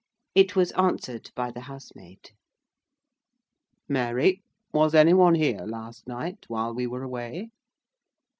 It was answered by the housemaid. "Mary, was any one here last night while we were away?"